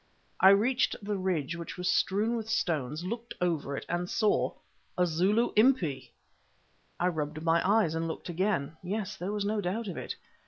I reached the ridge, which was strewn with stones, looked over it, and saw—a Zulu Impi! I rubbed my eyes and looked again. Yes, there was no doubt of it.